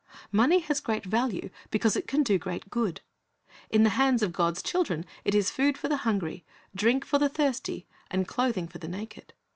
Money has great value, because it can do great good. In the hands of God's children it is food for the hungry, drink for the thirsty, and clothing for the naked.